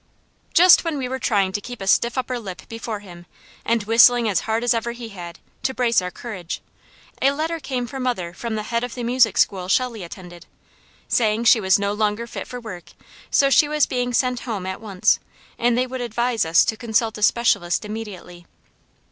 Just when we were trying to keep a stiff upper lip before him, and whistling as hard as ever he had, to brace our courage, a letter came for mother from the head of the music school Shelley attended, saying she was no longer fit for work, so she was being sent home at once, and they would advise us to consult a specialist immediately.